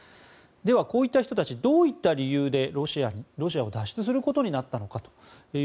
では、こういった人たちどういった理由でロシアを脱出することになったのか。